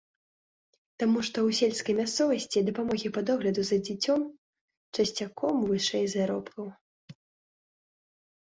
Таму што ў сельскай мясцовасці дапамогі па догляду за дзіцем часцяком вышэй заробкаў.